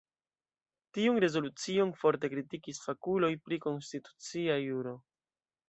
Tiun rezolucion forte kritikis fakuloj pri Konstitucia Juro.